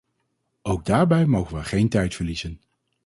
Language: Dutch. Ook daarbij mogen wij geen tijd verliezen.